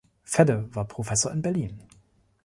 Fedde war Professor in Berlin.